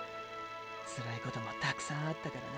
つらいこともたくさんあったからな。